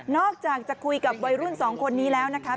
อกจากจะคุยกับวัยรุ่นสองคนนี้แล้วนะคะ